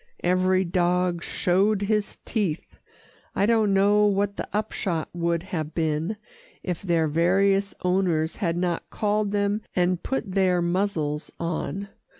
Every dog showed his teeth I don't know what the upshot would have been, if their various owners had not called them and put their muzzles on.